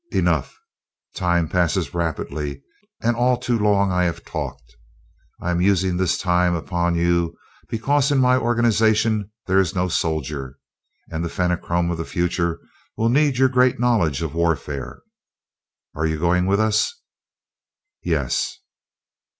Enough! Time passes rapidly, and all too long have I talked. I am using this time upon you because in my organization there is no soldier, and the Fenachrone of the future will need your great knowledge of warfare. Are you going with us?" "Yes."